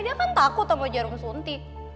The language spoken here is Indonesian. dia kan takut sama jarum suntik